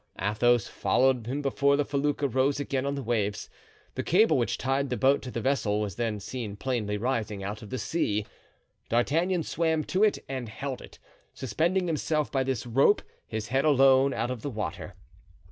Athos followed him before the felucca rose again on the waves; the cable which tied the boat to the vessel was then seen plainly rising out of the sea. D'Artagnan swam to it and held it, suspending himself by this rope, his head alone out of water.